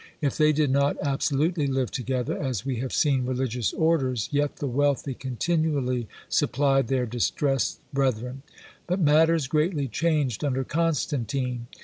If they did not absolutely live together, as we have seen religious orders, yet the wealthy continually supplied their distressed brethren: but matters greatly changed under Constantine.